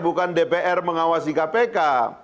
bukan dpr mengawasi kpk